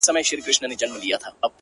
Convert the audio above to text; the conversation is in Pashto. • چي روږدي سوی له کوم وخته په گيلاس يمه؛